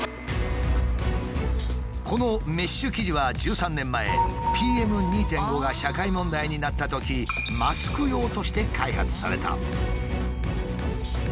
このメッシュ生地は１３年前ＰＭ２．５が社会問題になったときマスク用として開発された。